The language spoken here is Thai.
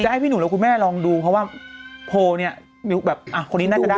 ให้พี่หนุ่มและคุณแม่ลองดูเพราะว่าโพลเนี่ยมิวแบบอ่ะคนนี้น่าจะได้